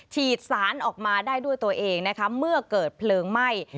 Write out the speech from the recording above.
ฉีดสารออกมาได้ด้วยตัวเองนะคะเมื่อเกิดเพลิงไหม้